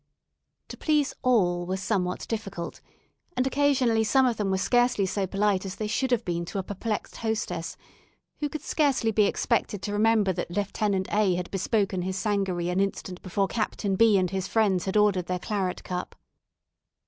To please all was somewhat difficult, and occasionally some of them were scarcely so polite as they should have been to a perplexed hostess, who could scarcely be expected to remember that Lieutenant A. had bespoken his sangaree an instant before Captain B. and his friends had ordered their claret cup.